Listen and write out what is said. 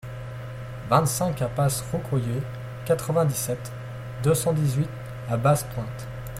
vingt-cinq impasse Roucouyer, quatre-vingt-dix-sept, deux cent dix-huit à Basse-Pointe